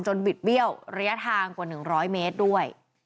บิดเบี้ยวระยะทางกว่า๑๐๐เมตรด้วย